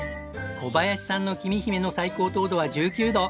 小林さんのきみひめの最高糖度は１９度。